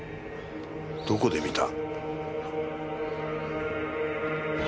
どこで見た？